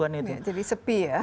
jadi sepi ya